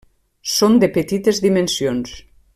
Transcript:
Són de petites dimensions.